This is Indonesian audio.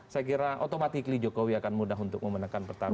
saya kira otomatik jokowi akan mudah untuk memenangkan pertarungan